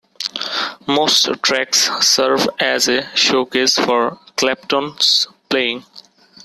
Most tracks serve as a showcase for Clapton's playing.